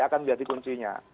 akan menjadi kuncinya